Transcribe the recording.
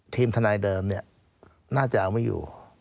ทีมทนายเดิมน่าจะเอาไม่อยู่